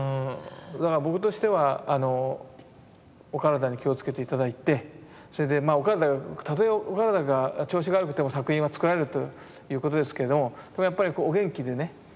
だから僕としてはお体に気を付けて頂いてそれでまあたとえお体が調子が悪くても作品は作られるということですけれどもでもやっぱりお元気でね